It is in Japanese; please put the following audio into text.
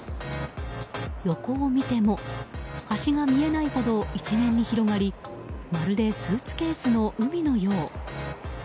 横を見ても、端が見えないほど一面に広がりまるでスーツケースの海のよう。